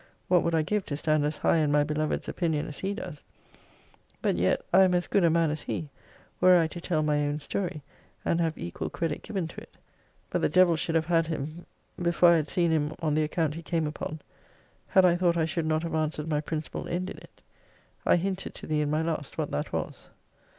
What would I give to stand as high in my beloved's opinion as he does! but yet I am as good a man as he, were I to tell my own story, and have equal credit given to it. But the devil should have had him before I had seen him on the account he came upon, had I thought I should not have answered my principal end in it. I hinted to thee in my last what that was.